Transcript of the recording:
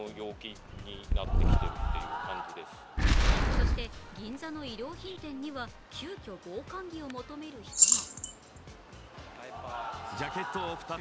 そして、銀座の衣料品店には急きょ防寒着を求める人も。